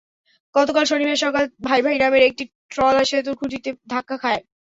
গতকাল শনিবার সকালে ভাই ভাই নামের একটি ট্রলার সেতুর খুঁটিতে ধাক্কা দেয়।